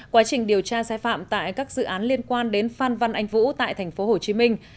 quá trình điều tra sai phạm tại các dự án liên quan đến phan văn anh vũ tại thành phố hồ chí minh